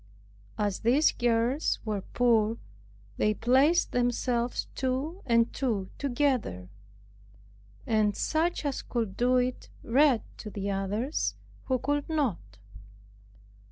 As these girls were poor, they placed themselves two and two together, and such as could do it read to the others who could not.